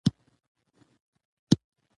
هغه په خپلو لیکنو کې صادق و.